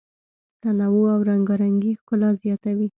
تنوع او رنګارنګي ښکلا زیاتوي.